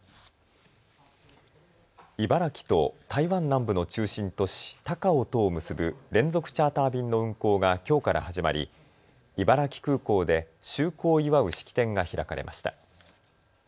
茨城と台湾南部の中心都市、高雄とを結ぶ連続チャーター便の運航がきょうから始まり茨城空港で就航を祝う式典が開かれました。